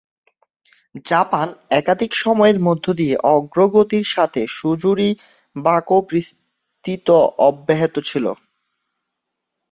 Japan একাধিক সময়ের মধ্যে দিয়ে অগ্রগতির সাথে সুজুরি-বাকোও বিস্তৃত অব্যাহত ছিল।